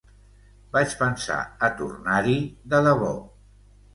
Vaig pensar a tornar-hi, de debò.